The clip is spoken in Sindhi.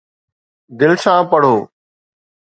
دل سان پڙهو